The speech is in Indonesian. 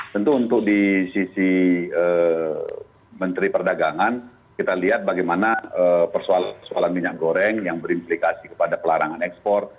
tentu untuk di sisi menteri perdagangan kita lihat bagaimana persoalan minyak goreng yang berimplikasi kepada pelarangan ekspor